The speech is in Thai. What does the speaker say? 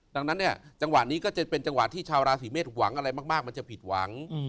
ดังนั้นเนี่ยจังหวะนี้ก็จะเป็นจังหวะที่ชาวราศีเมษหวังอะไรมากมันจะผิดหวัง